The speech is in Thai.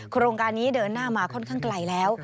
โครงการนี้เดินหน้ามาค่อนข้างไกลแล้ว